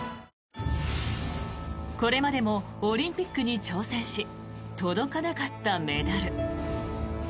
これまでもオリンピックに挑戦し届かなかったメダル。